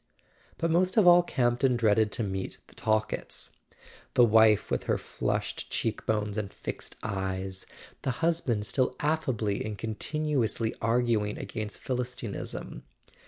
But most of all Campton dreaded to meet the Tal ketts; the wafe with her flushed cheek bones and fixed eyes, the husband still affably and continuously ar [ 376 ] A SON AT THE FRONT guing against Philistinism.